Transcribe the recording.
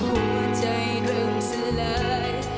หัวใจเริ่มสลาย